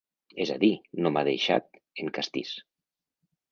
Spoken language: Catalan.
És a dir, “no m'ha deixat” en castís.